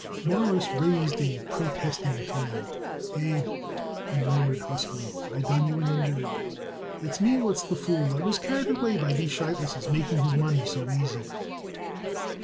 Morris raised a protesting hand. "Abe," he murmured huskily, "I done you an injury. It's me what's the fool. I was carried away by B. Sheitlis' making his money so easy."